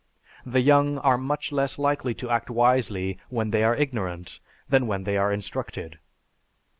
The young are much less likely to act wisely when they are ignorant, than when they are instructed.